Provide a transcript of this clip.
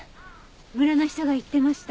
村の人が言ってました。